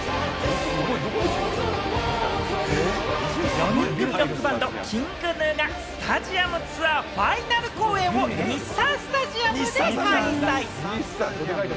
４人組ロックバンド、ＫｉｎｇＧｎｕがスタジアムツアーファイナル公演を日産スタジアムで開催。